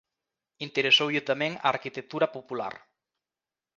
Interesoulle tamén a arquitectura popular.